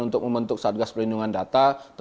untuk membentuk satgas perlindungan data